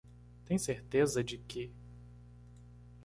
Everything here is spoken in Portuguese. Tem certeza de que?